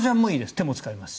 手を使いますし。